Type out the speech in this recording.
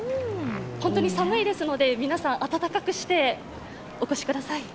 本当に寒いですので皆さん暖かくしてお越しください。